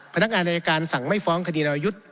พนักงานอายการสั่งไม่ฟ้องคดีรายุทธ์